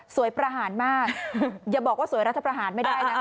ประหารมากอย่าบอกว่าสวยรัฐประหารไม่ได้นะคะ